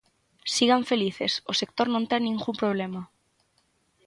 Sigan felices, o sector non ten ningún problema.